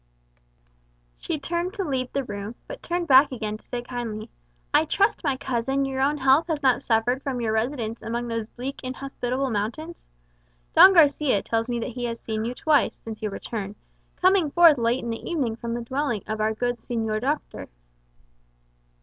She turned to leave the room, but turned back again to say kindly, "I trust, my cousin, your own health has not suffered from your residence among those bleak inhospitable mountains? Don Garçia tells me he has seen you twice, since your return, coming forth late in the evening from the dwelling of our good Señor Doctor."